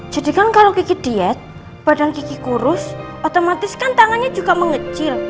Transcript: jadi kan kalau kiki diet badan kiki kurus otomatis kan tangannya juga mengecil